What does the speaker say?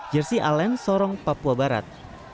jersi alen sorong papua barat